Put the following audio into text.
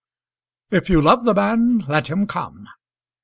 "If you love the man, let him come."